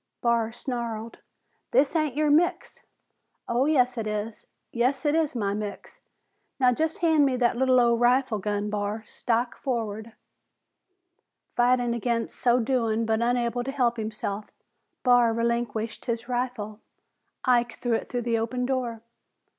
Barr snarled, "This ain't your mix!" "Oh, yes, it is! Yes, it is my mix! Now just hand me that lil' old rifle gun, Barr. Stock foremost." Fighting against so doing but unable to help himself, Barr relinquished his rifle. Ike threw it through the open door.